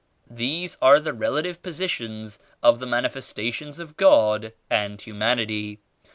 These are the relative positions of the Manifestations of God and humanity.